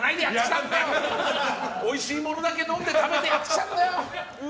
おいしいものだけ飲んで食べてやってきちゃったよ。